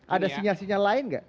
ada sinyal sinyal lain nggak